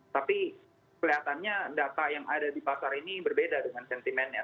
tapi kelihatannya data yang ada di pasar ini berbeda dengan sentimennya